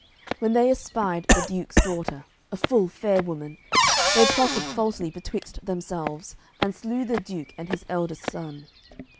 When they espied the duke's daughter, a full fair woman, they plotted falsely betwixt themselves and slew the duke and his eldest son.